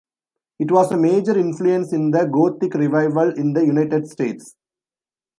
It was a major influence in the Gothic revival in the United States.